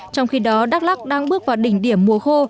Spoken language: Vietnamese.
trong khi đó đắk lắc đang bước vào đỉnh điểm mùa khô